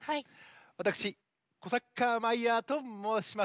わたくしコサッカーマイヤーともうします。